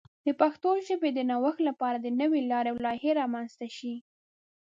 د پښتو ژبې د نوښت لپاره نوې لارې او لایحې رامنځته شي.